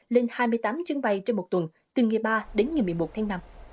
lên hai mươi tám chuyến bay trong một tuần từ ngày ba đến ngày một mươi một tháng năm